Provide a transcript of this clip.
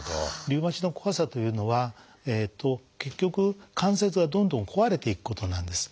リウマチの怖さというのは結局関節がどんどん壊れていくことなんです。